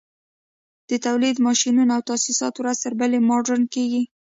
د تولید ماشینونه او تاسیسات ورځ تر بلې مډرن کېږي